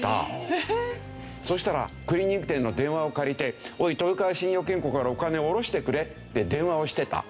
そしたらクリーニング店の電話を借りて「おい豊川信用金庫からお金をおろしてくれ」って電話をしてた。